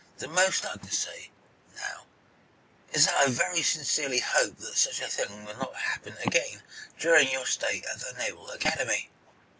The most I can say, now, is that I very sincerely hope such a thing will not happen again during your stay at the Naval Academy."